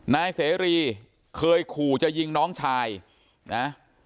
นายเสรีเคยขู่จะยิงน้องชายนะ